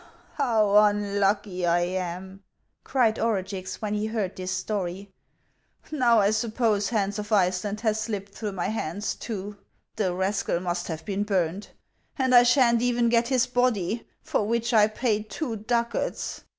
" How unlucky I am !" cried Orugix, when he heard this story ;" now I suppose Hans of Iceland has slipped through my hands too. The rascal must have been burned ; and I sha'n't even get his body, for which I paid two ducats